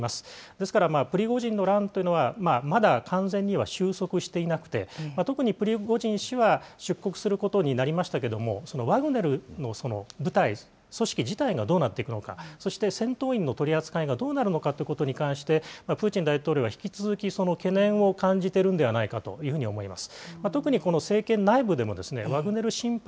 ですから、プリゴジンの乱というのは、まだ完全には収束していなくて、特にプリゴジン氏は出国することになりましたけれども、ワグネルの部隊、組織自体がどうなっていくのか、そして戦闘員の取り扱いがどうなるのかということに関して、プーチン大統領は引き続き懸念を感じているんではないかと思います。